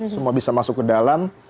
semua bisa masuk ke dalam